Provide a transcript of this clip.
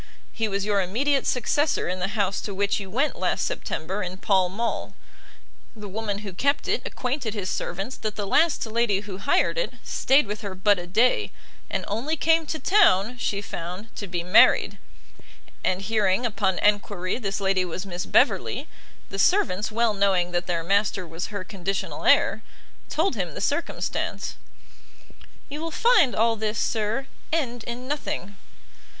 He was your immediate successor in the house to which you went last September in Pall Mall; the woman who kept it acquainted his servants that the last lady who hired it stayed with her but a day, and only came to town, she found, to be married: and hearing, upon enquiry, this lady was Miss Beverley, the servants, well knowing that their master was her conditional heir, told him the circumstance." "You will find all this, sir, end in nothing."